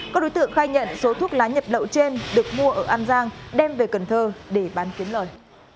các đối tượng khai nhận số thuốc lá nhập lậu trên được mua ở an giang đem về cần thơ để bán kiếm lời